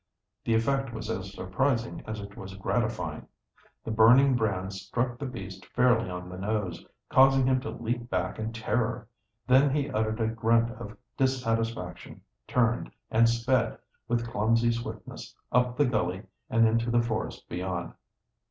The effect was as surprising as it was gratifying. The burning brands struck the beast fairly on the nose, causing him to leap back in terror. Then he uttered a grunt of dissatisfaction, turned, and sped, with clumsy swiftness, up the gully and into the forest beyond.